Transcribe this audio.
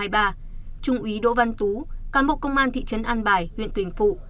trung úy đỗ văn tú cán bộ công an thị trấn an bài huyện quỳnh phụ